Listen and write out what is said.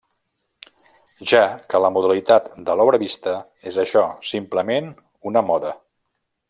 Ja que la modalitat de l’obra vista, és això simplement una moda.